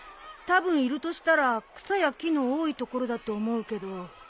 たぶんいるとしたら草や木の多い所だと思うけど。